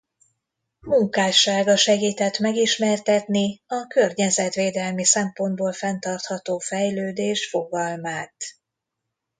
Munkássága segített megismertetni a környezetvédelmi szempontból fenntartható fejlődés fogalmát.